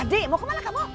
adik mau kemana kamu